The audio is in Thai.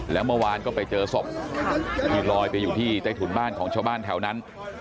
แล้วเมื่อวานก็ไปเจอศพที่ลอยไปอยู่ที่ใต้ถุนบ้านของชาวบ้านแถวนั้น